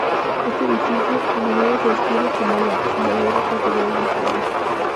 Este edificio, a menudo se describe como la "sinagoga catedral" de Australia.